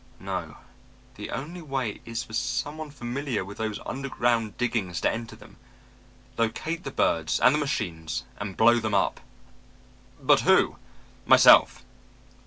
No, the only way is for someone familiar with those old underground diggings to enter them, locate the birds and the machines and blow them up." "But who " "Myself.